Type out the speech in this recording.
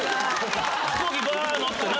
飛行機ばーっ乗ってな。